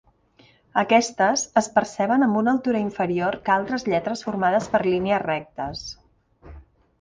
Aquestes, es perceben amb una altura inferior que altres lletres formades per línies rectes.